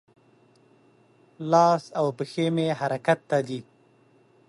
لاس او پښې مې حرکت ته دي.